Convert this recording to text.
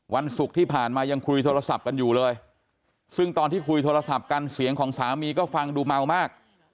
วันศุกร์ที่ผ่านมายังคุยโทรศัพท์กันอยู่เลยซึ่งตอนที่คุยโทรศัพท์กันเสียงของสามีก็ฟังดูเมามาก